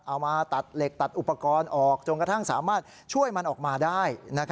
เอามาตัดเหล็กตัดอุปกรณ์ออกจนกระทั่งสามารถช่วยมันออกมาได้